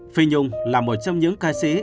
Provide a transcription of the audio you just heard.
phi nhung là một trong những ca sĩ